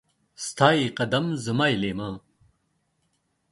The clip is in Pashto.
ستا يې قدم ، زما يې ليمه.